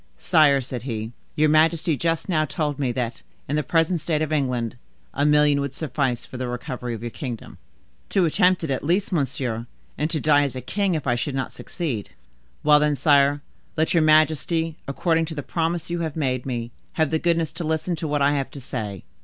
"Sire," said he, "your majesty just now told me that, in the present state of England, a million would suffice for the recovery of your kingdom." "To attempt it at least, monsieur; and to die as a king if I should not succeed." "Well, then, sire, let your majesty, according to the promise you have made me, have the goodness to listen to what I have to say."